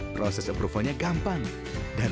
terima kasih banyak